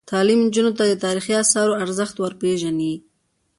تعلیم نجونو ته د تاریخي اثارو ارزښت ور پېژني.